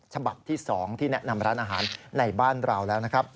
ฉบับที่๒ที่แนะนำร้านอาหารในบ้านเราแล้วนะครับ